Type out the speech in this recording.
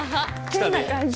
変な感じ。